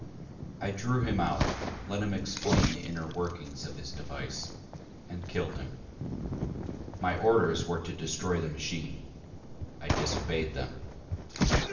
I drew him out, let him explain the inner workings of his device and killed him. My orders were to destroy the machine. I disobeyed them.